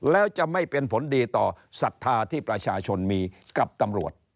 แล้วจะไม่เป็นผลดีต่อศรัทธาที่ประชาชนมีกับตำรวจ